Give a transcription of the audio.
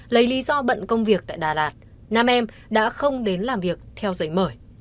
lấy lý do bận công việc tại đà lạt nam em đã không đến làm việc theo giấy mời